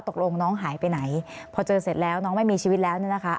ตกลงน้องหายไปไหนพอเจอเสร็จแล้วน้องไม่มีชีวิตแล้วเนี่ยนะคะ